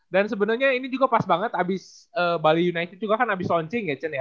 dan sebenarnya ini juga pas banget abis bali united juga kan abis launching ya chen ya